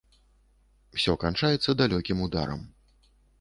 Усё канчаецца далёкім ударам.